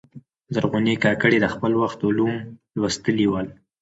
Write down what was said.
زرغونې کاکړي د خپل وخت علوم لوستلي ول.